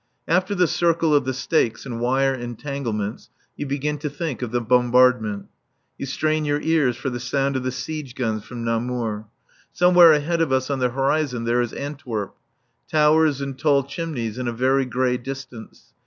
After the circle of the stakes and wire entanglements you begin to think of the bombardment. You strain your ears for the sound of the siege guns from Namur. Somewhere ahead of us on the horizon there is Antwerp. Towers and tall chimneys in a very grey distance.